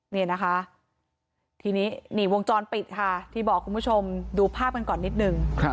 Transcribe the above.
นี่นะคะทีนี้นี่วงจรปิดค่ะที่บอกคุณผู้ชมดูภาพกันก่อนนิดนึง